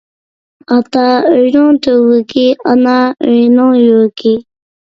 ئاتا ئۆينىڭ تۈۋرۈكى، ئانا ئۆينىڭ يۈرىكى.